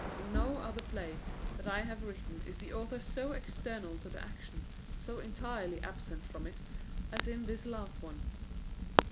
In no other play that I have written is the author so external to the action, so entirely absent from it, as in this last one."